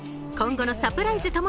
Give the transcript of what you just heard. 今後のサプライズ